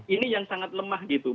ini yang sangat lemah gitu